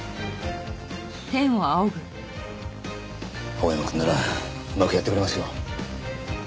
青山くんならうまくやってくれますよ。